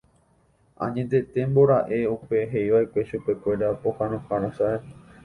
Añetetémbora'e upe he'iva'ekue chupekuéra pohãnohára chae.